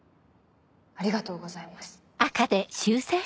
ありがとうございます。